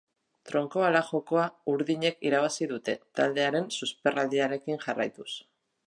Tronkoala jokoa urdinek irabazi dute, taldearen susperraldiarekin jarraituz.